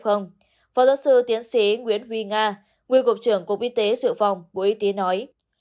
phó giáo sư tiến sĩ nguyễn huy nga nguyên cục trưởng cục y tế dự phòng bộ y tế nói